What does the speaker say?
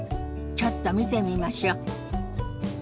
ちょっと見てみましょ。